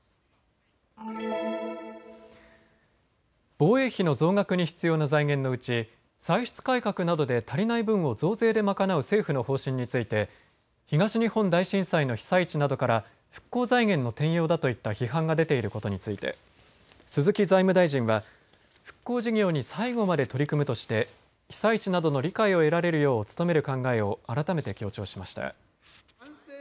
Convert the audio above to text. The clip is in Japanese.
防衛費の増額に必要な財源のうち歳出改革などで足りない分を増税で賄う政府の方針について東日本大震災の被災地などから復興財源の転用だといった批判が出ていることについて鈴木財務大臣は復興事業に最後まで取り組むとして被災地などの理解を得られるよう努める考えを改めて強調しました。